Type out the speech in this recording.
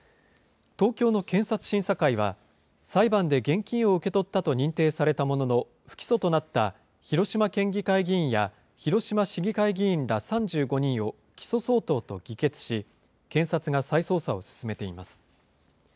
東京の検察審査会は、裁判で現金を受け取ったと認定されたものの、不起訴となった広島県議会議員や広島市議会議員ら３５人を起訴相当と議決し、検察が再捜査を進めています。